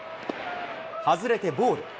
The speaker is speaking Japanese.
外れてボール。